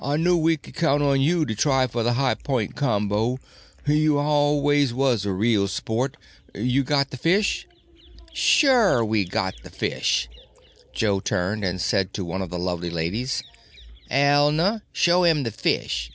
I knew we could count on you to try for the high point combo. You was always a real sport. You got the fish?" "Sure we got the fish." Joe turned and said to one of the lovely ladies, "Elna, show him the fish."